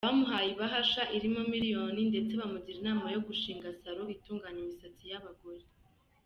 Bamuhaye ibahasha irimo miliyoni ndetse bamugira inama yo gushinga Salon itunganya imisatsi y’abagore.